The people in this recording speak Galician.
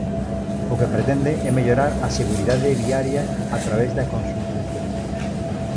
O que pretende é mellorar a seguridade viaria a través da concienciación.